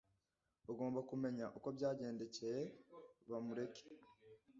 Ugomba kumenya uko byagendekeye Bamureke.